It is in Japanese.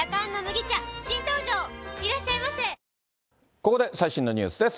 ここで最新のニュースです。